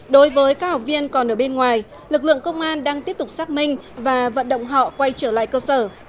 đối với các học viên còn ở bên ngoài lực lượng công an đang tiếp tục xác minh và vận động họ quay trở lại cơ sở